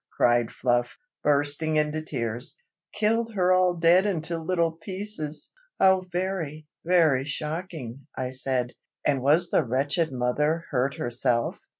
cried Fluff, bursting into tears. "Killed her all dead into little pieces!" "How very, very shocking!" I said. "And was the wretched mother hurt herself?"